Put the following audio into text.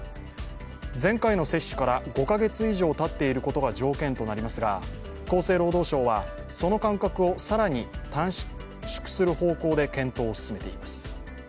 前回の接種から５か月以上たっていることが条件となっていますが厚生労働省はその間隔を更に短縮する方向で検討を進めています。